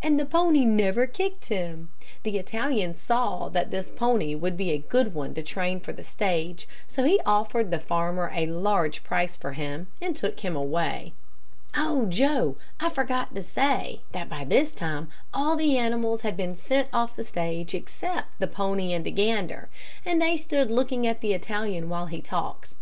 And the pony never kicked him. The Italian saw that this pony would be a good one to train for the stage, so he offered the farmer a large price for him, and took him away. "Oh, Joe, I forgot to say, that by this time all the animals had been sent off the stage except the pony and the gander, and they stood looking at the Italian while he talked.